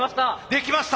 できました！